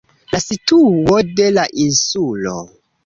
La situo de la insulo.